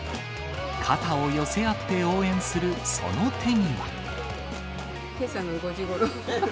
肩を寄せ合って応援するその手にけさの５時ごろ。